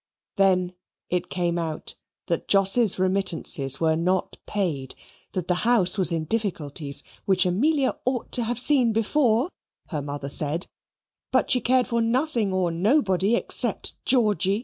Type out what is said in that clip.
Then it came out that Jos's remittances were not paid, that the house was in difficulties, which Amelia ought to have seen before, her mother said, but she cared for nothing or nobody except Georgy.